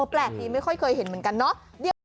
แปลกดีไม่ค่อยเคยเห็นเหมือนกันเนาะ